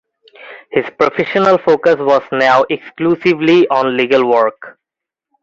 His professional focus was now exclusively on legal work.